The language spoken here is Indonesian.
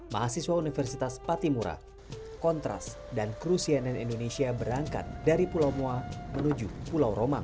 mahasiswa universitas patimura kontras dan kru cnn indonesia berangkat dari pulau moa menuju pulau romang